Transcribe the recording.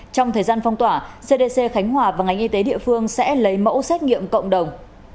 trong thời gian phong tỏa cdc khánh hòa và ngành y tế địa phương sẽ lấy mẫu xét nghiệm cộng đồng